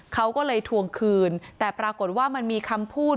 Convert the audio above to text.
เขาก็เลยทวงคืนแต่ปรากฏว่ามันมีคำพูด